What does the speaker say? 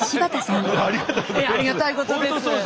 ありがたいことです。